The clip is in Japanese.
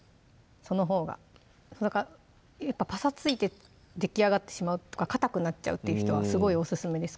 そのほうがパサついてできあがってしまうとかかたくなっちゃうっていう人はすごいオススメです